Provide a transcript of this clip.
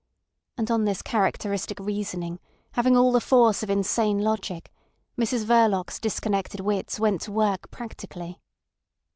And on this characteristic reasoning, having all the force of insane logic, Mrs Verloc's disconnected wits went to work practically.